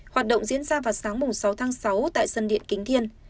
hoạt động diễn ra vào sáng sáu tháng sáu tại sân điện kính thiên